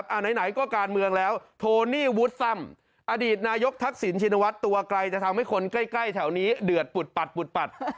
อะไหนก็การเมืองแล้วโทนี่วุฒรรมอดีตนายกทักศิลป์ชินวัตรตัวกลายจะทำให้คนใกล้แถวนี้เดือดปุดปัด